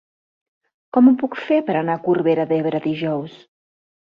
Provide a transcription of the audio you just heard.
Com ho puc fer per anar a Corbera d'Ebre dijous?